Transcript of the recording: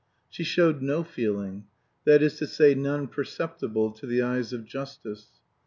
She showed no feeling. That is to say, none perceptible to the eyes of Justice.